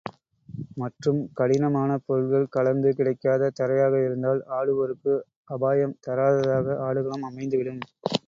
மற்றும் கடினமான பொருட்கள் கலந்து கிடைக்காத தரையாக இருந்தால், ஆடுவோருக்கு அபாயம் தராததாக ஆடுகளம் அமைந்துவிடும்.